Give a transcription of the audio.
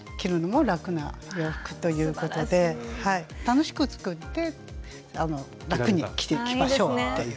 楽しく作って楽に着ましょうという。